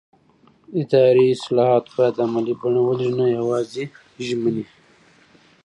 اداري اصلاحات باید عملي بڼه ولري نه یوازې ژمنې